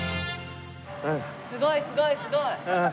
すごいすごいすごい。はあ。